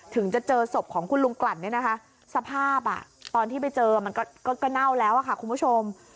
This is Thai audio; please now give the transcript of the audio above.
ถึงจะเจอศพของคุณลุงกลั่นเนี่ยนะคะสภาพตอนที่ไปเจอมันก็เน่าแล้วค่ะคุณผู้ชม